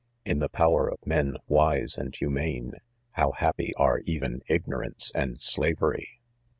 In the power of men wise and .humane, how happy are even ignorance and slavery!